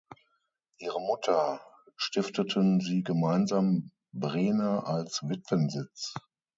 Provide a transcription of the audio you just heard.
Ihrer Mutter stifteten Sie gemeinsam Brehna als Witwensitz.